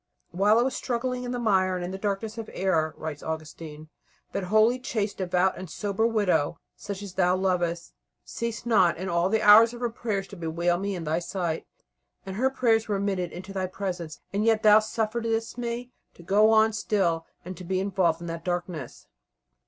"While I was struggling in the mire and in the darkness of error," writes Augustine, "that holy, chaste, devout, and sober widow (such as Thou lovest) ceased not in all the hours of her prayers to bewail me in Thy sight. And her prayers were admitted into Thy Presence, and yet Thou sufferedst me to go on still, and to be involved in that darkness."